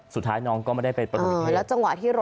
สุดท้ายน้องก็ไม่ได้ไปปฐมนิเทศ